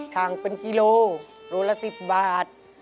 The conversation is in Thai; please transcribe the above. ทางเป็นกิโลโลละ๑๐บาท